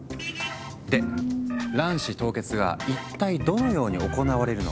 で卵子凍結が一体どのように行われるのか。